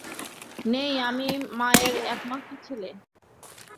নেই, আমি মায়ের একমাত্র ছেলে।